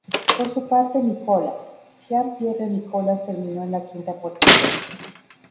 Por su parte Nicolas, Jean-Pierre Nicolas terminó en la quinta posición.